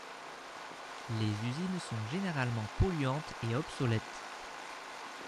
Les usines sont généralement polluantes et obsolètes.